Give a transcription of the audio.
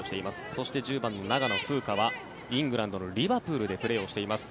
そして、１０番の長野風花はイングランドのリバプールでプレーしています。